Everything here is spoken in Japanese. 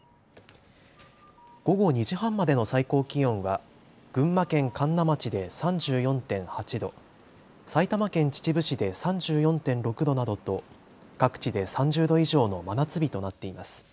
午後２時半までの最高気温は群馬県神流町で３４．８度、埼玉県秩父市で３４．６度などと各地で３０度以上の真夏日となっています。